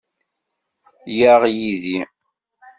Yyaɣ yid-i.